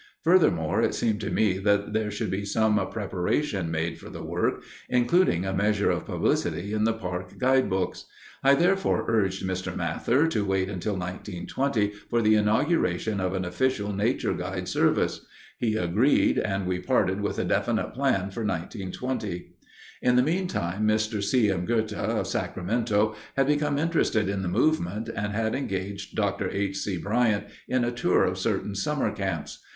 Furthermore, it seemed to me that there should be some preparation made for the work, including a measure of publicity in the park guidebooks. I therefore urged Mr. Mather to wait until 1920 for the inauguration of an official Nature Guide service. He agreed and we parted with a definite plan for 1920. In the meantime Mr. C. M. Goethe of Sacramento had become interested in the movement and had engaged Dr. H. C. Bryant in a tour of certain summer camps.